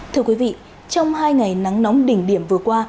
thưa quý vị trong hai ngày nắng nóng đỉnh điểm vừa qua